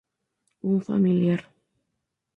Un familiar.